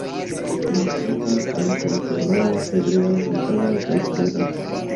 la finna, franca, germana, hebrea, itala kaj sveda.